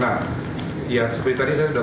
nah ya seperti tadi saya sudah